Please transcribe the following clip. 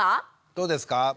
どうですか？